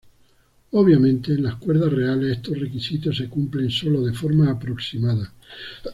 Obviamente en las cuerdas reales estos requisitos se cumplen sólo de forma aproximada.